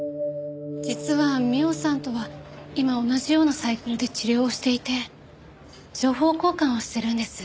実は美緒さんとは今同じようなサイクルで治療をしていて情報交換をしてるんです。